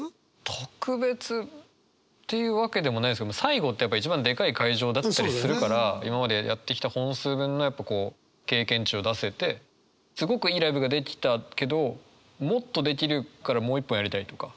特別っていうわけでもないですけど最後ってやっぱ一番でかい会場だったりするから今までやってきた本数分の経験値を出せてすごくいいライブができたけどもっとできるからもう一本やりたいとか。